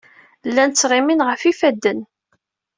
Llan ttɣimin ɣef yifadden.